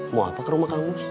mau apa ke rumah kang mus